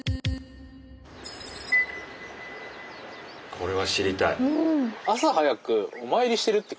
これは知りたい。